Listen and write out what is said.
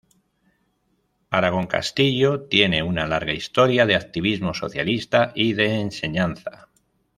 Aragón Castillo tiene una larga historia de activismo socialista y de enseñanza.